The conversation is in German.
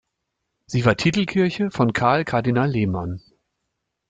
Sie war Titelkirche von Karl Kardinal Lehmann.